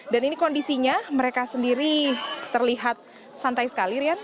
dan ini kondisinya mereka sendiri terlihat santai sekali rian